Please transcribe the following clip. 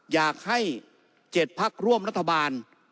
อยากให้๗พักร่วมรัฐบาล